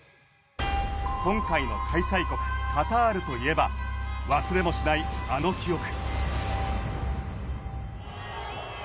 今回の開催国カタールといえば忘れもしないあの記憶。